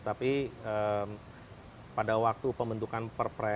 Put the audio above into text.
tapi pada waktu pembentukan perpres itu tidak ada